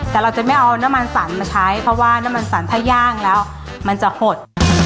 แต่เราจะไม่เอาน้ำมันสรรมาใช้เพราะว่าน้ำมันสรรถ้าย่างแล้วมันจะหด